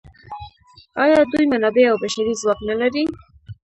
آیا دوی منابع او بشري ځواک نلري؟